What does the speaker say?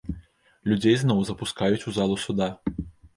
Людзей зноў запускаюць у залу суда.